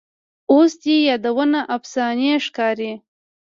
اوس دي یادونه افسانې ښکاري